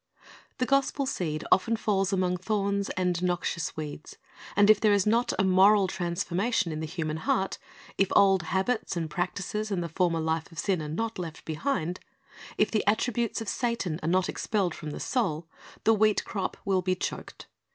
The gospel seed often falls among thorns and noxious weeds; and if there is not a moral transformation in the human heart, if old habits and practises and the former life of sin are not left behind, if the attributes of Satan are not expelled from the soul, the wheat crop will be choked.